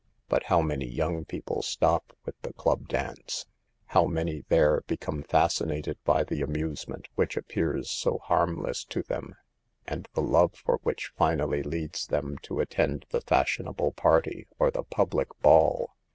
But how many young people stop with the club dance ? How many there become fascinated by the amusement which appears so harmless to them, and the love for which finally leads them to attend the fashionable party or the public ball?